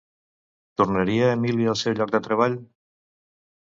Tornaria Emilia al seu lloc de treball?